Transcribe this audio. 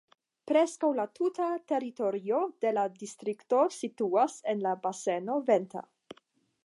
Preskaŭ la tuta teritorio de la distrikto situas en la baseno Venta.